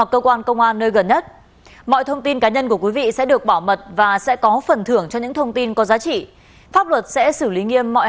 cảm ơn các bạn đã theo dõi